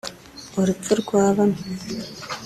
urupfu rwa bamwe